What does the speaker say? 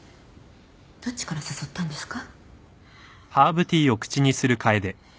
どっちから誘ったんですか？